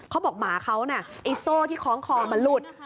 เขาบอกหมาเขาน่ะไอ้โซ่ที่คล้องคอมันหลุด